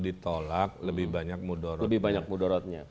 ditolak lebih banyak mudorotnya